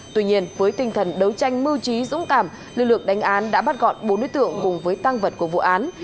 tuy nhiên với tinh thần đấu tranh mưu trí dũng cảm lực lượng đánh án đã bắt gọn bốn đối tượng cùng với tăng vật của vụ án